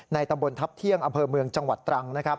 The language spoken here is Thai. ในตำบลทัพเที่ยงอเมืองจังหวัดตรัง